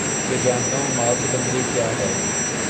کہ جانتا ہوں مآل سکندری کیا ہے